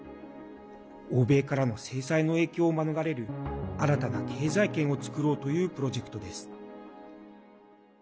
欧米からの制裁の影響を免れる新たな経済圏を作ろうというプロジェクトです。